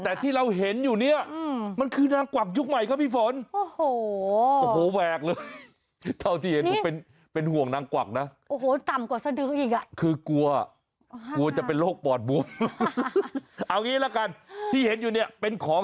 แต่ที่เราเห็นอยู่เนี่ยมันคือนางกวักยุคใหม่ครับพี่ฝนโอ้โห